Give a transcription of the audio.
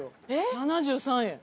７３円。